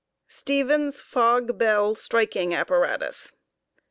STEVENS FOG BELL STRIKING APPARATUS.